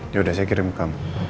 yaudah saya kirim ke kamu